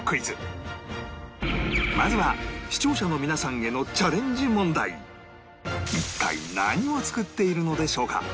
まずは視聴者の皆さんへの一体何を作っているのでしょうか？